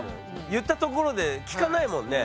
言ったところで聞かないもんね。